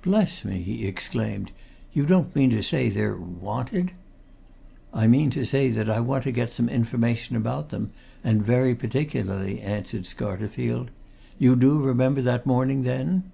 "Bless me!" he exclaimed. "You don't mean to say they're wanted?" "I mean to say that I want to get some information about them, and very particularly," answered Scarterfield. "You do remember that morning, then?"